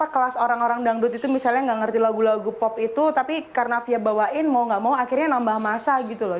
kelas orang orang dangdut itu misalnya nggak ngerti lagu lagu pop itu tapi karena fia bawain mau gak mau akhirnya nambah masa gitu loh